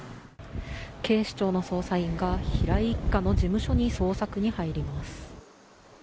警視庁の捜査員が平井一家の事務所に捜索に入ります。